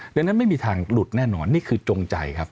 ดังนั้นไม่มีทางหลุดแน่นอนนี่คือจงใจครับ